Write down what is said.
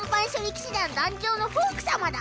騎士団団長のホーク様だ。